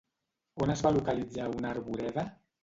On es va localitzar una arboreda?